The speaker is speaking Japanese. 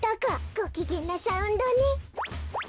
ごきげんなサウンドね。